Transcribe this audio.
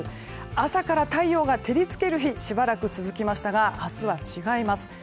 朝から太陽が照り付ける日がしばらく続きましたが明日は違います。